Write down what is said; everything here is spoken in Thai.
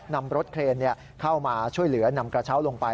นำรถเครนเข้ามาช่วยเหลือนำกระเช้าลงไป